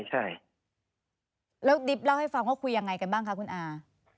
ใช่แล้วดิบเล่าให้ฟังว่าคุยยังไงกันบ้างคะคุณอา